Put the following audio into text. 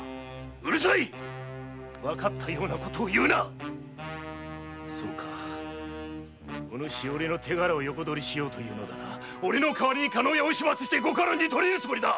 うるさいわかったようなことを言うなそうかお主おれの手柄を横取りしようとおれの代りに加納屋を始末しご家老に取り入るつもりだな